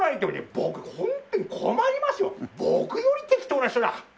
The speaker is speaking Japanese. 僕より適当な人だ。